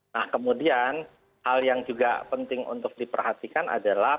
nah kemudian hal yang juga penting untuk diperhatikan adalah